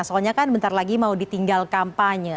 soalnya kan bentar lagi mau ditinggal kampanye